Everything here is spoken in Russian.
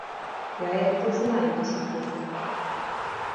Я это знаю теперь.